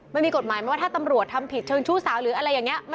มันมีกฎหมายไหมว่าถ้าตำรวจทำผิดเชิงชู้สาวหรืออะไรอย่างนี้